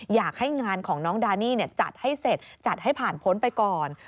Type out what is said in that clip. อยากให้งานของน้องดานี่จัดให้เสร็จจัดให้ผ่านพ้นไปก่อน